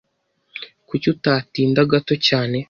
Kuki utatinda gato cyane?